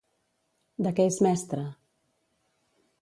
De què és mestra?